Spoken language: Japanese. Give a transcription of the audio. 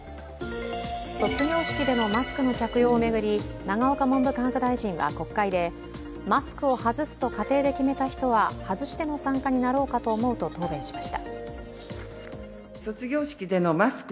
卒業式でのマスクの着用を巡り永岡文部科学大臣は国会でマスクを外すと家庭で決めた人は外しての参加になろうと思うと答弁しました。